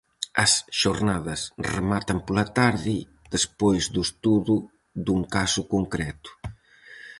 As xornadas rematan pola tarde, despois do estudo dun caso concreto.